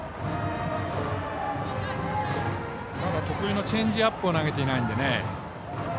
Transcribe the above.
得意のチェンジアップをまだ投げていないので。